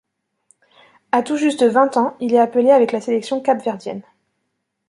À tout juste vingt ans il est appelé avec la sélection cap-verdienne.